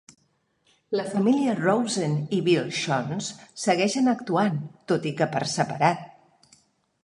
La família Rosen i Bill Shontz segueixen actuant, tot i que per separat.